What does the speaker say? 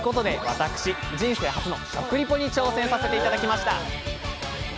私人生初の「食リポ」に挑戦させて頂きました！